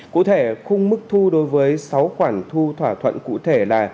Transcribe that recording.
cụ thể khung mức thu đối với sáu khoản thu thỏa thuận cụ thể là